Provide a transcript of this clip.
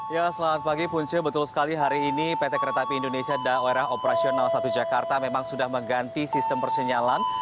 ya selamat pagi punce betul sekali hari ini pt kereta api indonesia daerah operasional satu jakarta memang sudah mengganti sistem persinyalan